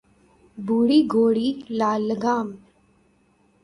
بوڑھی گھوڑی لال لگام